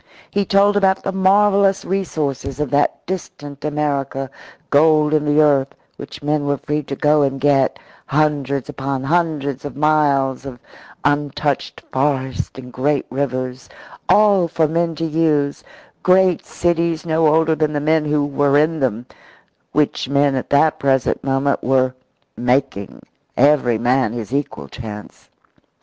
He told about the marvellous resources of that distant America gold in the earth, which men were free to go and get, hundreds upon hundreds of miles of untouched forests and great rivers all for men to use, great cities no older than the men who were in them, which men at that present moment were making every man his equal chance.